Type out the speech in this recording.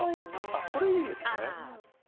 あっこれいいですね。